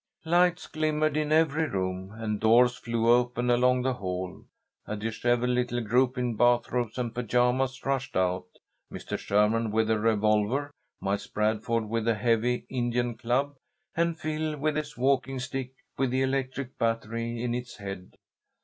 Lights glimmered in every room, and doors flew open along the hall. A dishevelled little group in bath robes and pajamas rushed out, Mr. Sherman with a revolver, Miles Bradford with a heavy Indian club, and Phil with his walking stick with the electric battery in its head.